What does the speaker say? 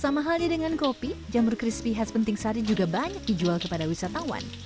sama halnya dengan kopi jamur crispy khas penting sari juga banyak dijual kepada wisatawan